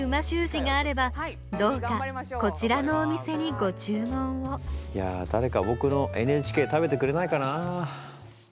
字があればどうかこちらのお店にご注文をいやだれかぼくの「ＮＨＫ」食べてくれないかな。